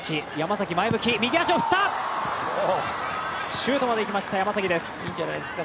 シュートまでいきました山崎です。